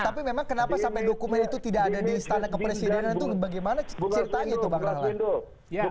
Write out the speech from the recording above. tapi memang kenapa sampai dokumen itu tidak ada di istana kepresidenan itu bagaimana ceritanya itu bang rahlan